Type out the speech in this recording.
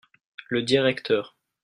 Le directeur.